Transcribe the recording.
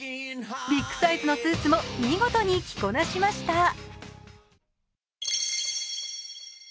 ビッグサイズのスーツも見事に着こなしました。